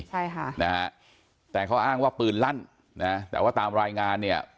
ใช่ค่ะนะฮะแต่เขาอ้างว่าปืนลั่นนะแต่ว่าตามรายงานเนี่ย